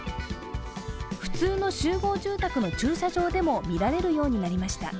普通の集合住宅の駐車場でも見られるようになりました。